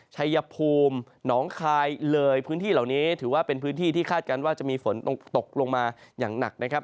ชัยภูมิหนองคายเลยพื้นที่เหล่านี้ถือว่าเป็นพื้นที่ที่คาดการณ์ว่าจะมีฝนตกลงมาอย่างหนักนะครับ